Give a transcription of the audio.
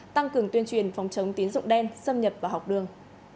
tăng cường tuyên truyền phòng chống tín dụng đen xâm nhập vào học đường